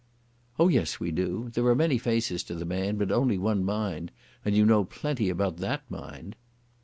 "Oh, yes we do. There are many faces to the man, but only one mind, and you know plenty about that mind."